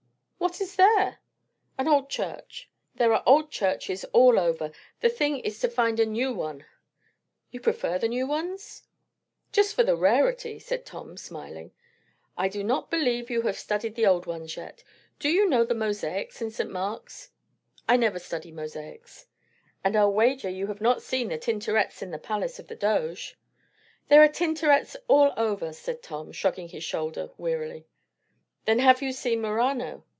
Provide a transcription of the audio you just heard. What is there?" "An old church." "There are old churches all over. The thing is to find a new one." "You prefer the new ones?" "Just for the rarity," said Tom, smiling. "I do not believe you have studied the old ones yet. Do you know the mosaics in St. Mark's?" "I never study mosaics." "And I'll wager you have not seen the Tintorets in the Palace of the Doges?" "There are Tintorets all over!" said Tom, shrugging his shoulders wearily. "Then have you seen Murano?"